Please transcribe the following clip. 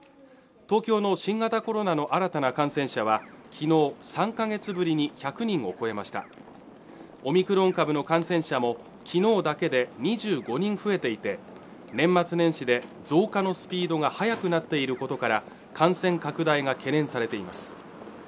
東京の新型コロナの新たな感染者は昨日３か月ぶりに１００人を超えましたオミクロン株の感染者も昨日だけで２５人増えていて年末年始で増加のスピードが速くなっていることから感染拡大が懸念されています